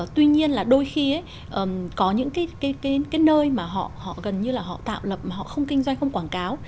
tuy nhiên là đôi khi có những cái nơi mà họ gần như là họ tạo lập mà họ không kinh doanh không quảng cáo